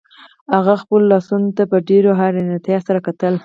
هغه خپلو لاسونو ته په ډیره حیرانتیا سره کتل